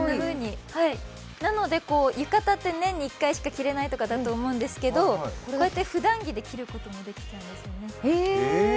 なので、浴衣って年に１回しか着れないだと思うんですけど、こうやって普段着で着ることができるんです。